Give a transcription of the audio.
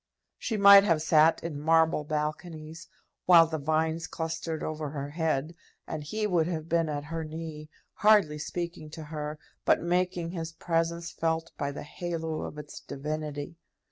She might have sat in marble balconies, while the vines clustered over her head, and he would have been at her knee, hardly speaking to her, but making his presence felt by the halo of its divinity.